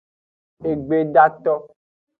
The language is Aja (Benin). Egbedato.